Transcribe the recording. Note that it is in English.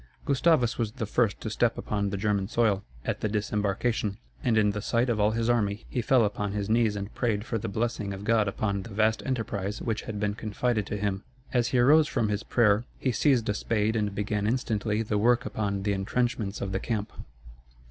Gustavus was the first to step upon the German soil, at the disembarkation; and in the sight of all his army he fell upon his knees and prayed for the blessing of God upon the vast enterprise which had been confided to him. As he arose from his prayer, he seized a spade and began instantly the work upon the intrenchments of the camp.